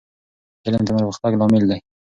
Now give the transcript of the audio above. علم د پرمختګ لامل دی.